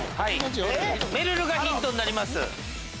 めるるがヒントになります。